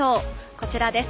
こちらです。